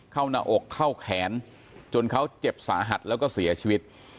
เข้าหน้าอกเข้าแขนจนเขาเจ็บสาหัสแล้วก็เสียชีวิต